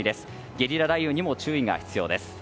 ゲリラ雷雨にも注意が必要です。